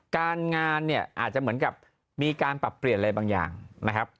การงานเนี่ยอาจจะเหมือนกับมีการปรับเปลี่ยนอะไรบางอย่างนะครับ